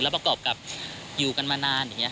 แล้วประกอบกับอยู่กันมานาน